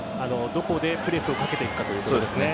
どこでプレスをかけていくかというところですね。